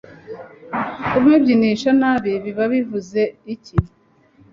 kumubyinisha nabi biba bivuze icyi